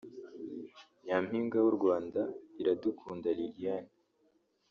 Nyampinga w’u Rwanda Iradukunda Liliane